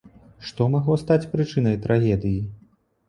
Што магло стаць прычынай трагедыі?